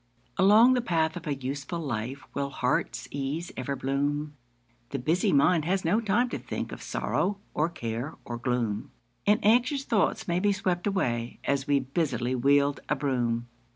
Along the path of a useful life Will heart's ease ever bloom; The busy mind has no time to think Of sorrow, or care, or gloom; And anxious thoughts may be swept away As we busily wield a broom.